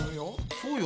そうよ